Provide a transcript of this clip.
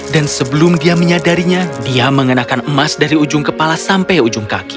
dan sebelum dia menyadarinya dia mengenakan emas dari ujung kepala sampai ujung kaki